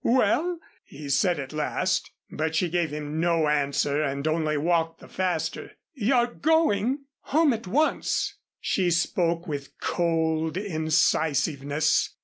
"Well?" he said at last. But she gave him no answer and only walked the faster. "You're going?" "Home at once." She spoke with cold incisiveness.